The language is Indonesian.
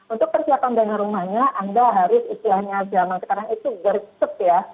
untuk persiapan dana rumahnya anda harus istilahnya zaman sekarang itu gersep ya